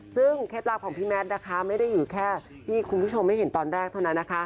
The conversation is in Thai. ซึ่งเคล็ดลับของพี่แมทนะคะไม่ได้อยู่แค่ที่คุณผู้ชมให้เห็นตอนแรกเท่านั้นนะคะ